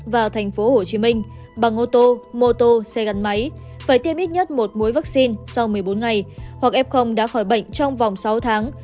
và tp hcm bằng ô tô mô tô xe gắn máy phải tiêm ít nhất một mũi vaccine sau một mươi bốn ngày hoặc ép không đã khỏi bệnh trong vòng sáu tháng